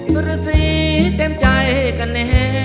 เพื่อสีเต็มใจกัน